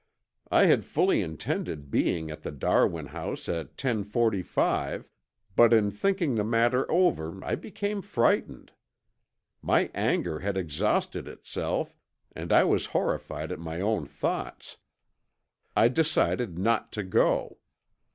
"I had fully intended being at the Darwin house at ten forty five, but in thinking the matter over I became frightened. My anger had exhausted itself and I was horrified at my own thoughts. I decided not to go.